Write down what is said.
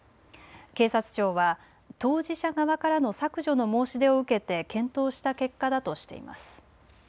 警察庁は当事者側からの削除の申し出を受けて検討した結果だとしています。